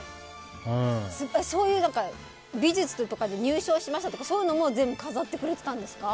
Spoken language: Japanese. そういう美術とかで入賞しましたとかそういうのも全部飾ってくれていたんですか？